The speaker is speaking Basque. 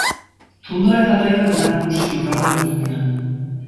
Tundra eta taiga dira nagusi lurralde guztian.